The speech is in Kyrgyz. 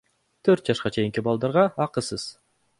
Төрт жашка чейинки балдарга акысыз.